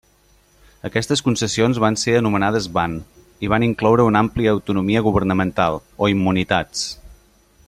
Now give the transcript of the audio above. Aquestes concessions van ser anomenades ban, i van incloure una àmplia autonomia governamental, o immunitats.